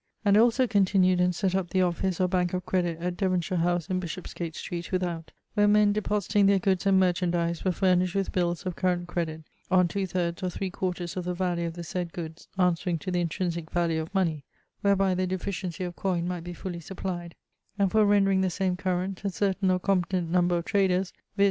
And also continued and sett up the office or banke of credit at Devonshire house in Bishopsgate Street without, where men depositing their goods and merchandize were furnished with bills of current credit on 2/3 or 3/4 of the value of the said goods answering to the intrinsique value of money, whereby the deficiency of coin might be fully subplyed: and for rendring the same current, a certaine or competent number of traders (viz.